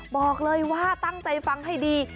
บอกเลยว่าตั้งใจฟังให้ดี